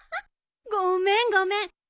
ごめんごめん。